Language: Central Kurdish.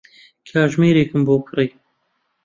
کاتژمێرێکم بۆ کڕی.